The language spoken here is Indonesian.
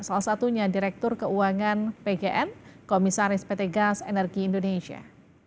salah satunya direktur keuangan pgn komisaris pt gas energi indonesia